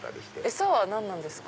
餌は何なんですか？